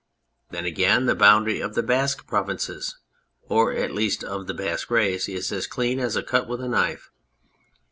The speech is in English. Then, again, the boundary of the Basque Provinces, or at least of the Basque race, is as clean as a cut with a knife.